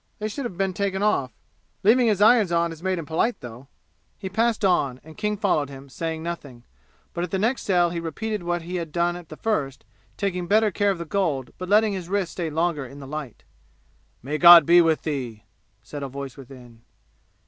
They should have been taken off. Leaving his irons on has made him polite, though." He passed on, and King followed him, saying nothing. But at the next cell he repeated what he had done at the first, taking better care of the gold but letting his wrist stay longer in the light. "May God be with thee!" said a voice within.